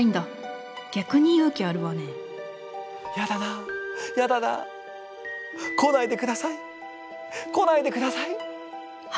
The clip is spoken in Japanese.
「やだなやだな来ないでください！来ないでください！」。